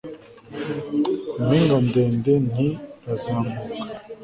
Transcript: impinga ndende nti razamuka